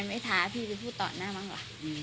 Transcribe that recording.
เขาเป็นพูดกันเยอะ